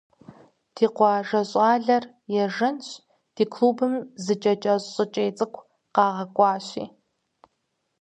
Ди къуажэ щӏалэр ежэнщ ди клубым зы кӏэ кӏэщӏ щӏыкӏей цӏыкӏу къагъэкӏуащи.